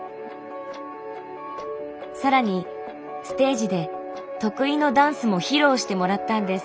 更にステージで得意のダンスも披露してもらったんです。